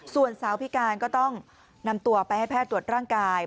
ส่วนสาวพิการก็ต้องนำตัวไปให้แพทย์ตรวจร่างกาย